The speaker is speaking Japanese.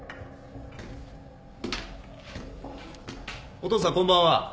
お父さんこんばんは。